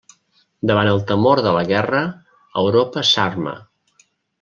Davant el temor de la guerra, Europa s'arma.